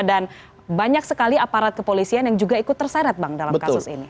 dan banyak sekali aparat kepolisian yang juga ikut terseret bang dalam kasus ini